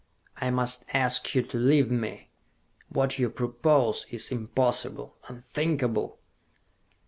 "I must ask you to leave me! What you propose is impossible, unthinkable!"